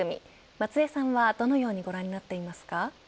松江さんはどのようにご覧になっていますか。